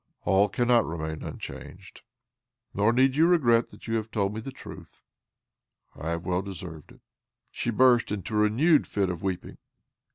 "All cannot remain un changed. Nor need you regret that you have told me the truth. I have well deserved it." She burst into a renewed fit of weeping.